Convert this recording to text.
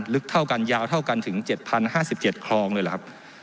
ลึกเท่ากันยาวเท่ากันถึง๗๐๕๗คลองเลยเหรอครับ